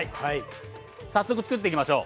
早速つくっていきましょう。